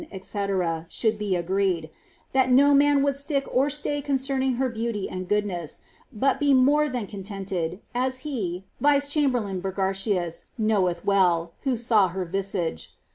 kc« should be agreed) that no man would stick or stay conceniing her beauty and goodness; but be more than contented^as he ^ vice chamber lain Burgartius) knoweth well, who saw her visage.